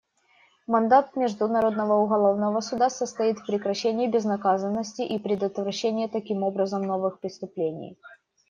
Мандат Международного уголовного суда состоит в прекращении безнаказанности и предотвращении, таким образом, новых преступлений.